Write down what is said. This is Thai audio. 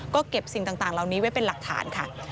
ก็เก็บสิ่งต่างเหล่านี้ไว้เป็นหลักฐานค่ะ